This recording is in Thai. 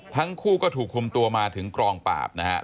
ทั้งคู่ก็ถูกคุมตัวมาถึงกองปราบนะฮะ